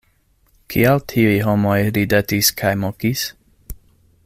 Kial tiuj homoj ridetis kaj mokis?